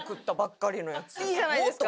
いいじゃないですか。